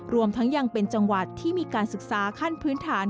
รวมทั้งยังเป็นจังหวัดที่มีการศึกษาขั้นพื้นฐาน